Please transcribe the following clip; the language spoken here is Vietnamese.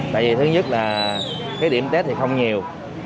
tại vì thứ nhất là cái điểm tết thì không nhiều